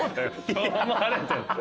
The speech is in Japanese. そう思われてる。